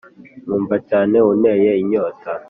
nkumva cyane unteye inyota